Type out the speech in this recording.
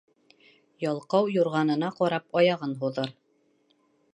Ялҡау юрғанына ҡарап аяғын һуҙыр.